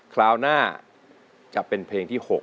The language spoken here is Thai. คราวหน้าจะเป็นเพลงที่๖